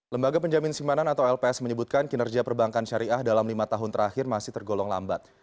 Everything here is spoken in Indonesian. lembaga penjamin simanan atau lps menyebutkan kinerja perbankan syariah dalam lima tahun terakhir masih tergolong lambat